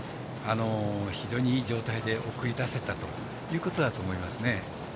非常にいい状態で送り出せたということだと思います。